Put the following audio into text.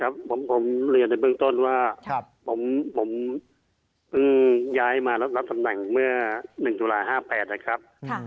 ผมเรียนในเบื้องต้นว่าผมเพิ่งย้ายมารับตำแหน่งเมื่อ๑ตุลา๕๘นะครับ